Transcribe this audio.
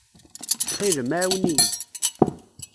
Ttxil-m, ɛawen-iyi.